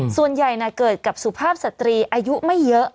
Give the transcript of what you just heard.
ส่วนใหญ่เกิดกับสุภาพสตรีอายุไม่เยอะ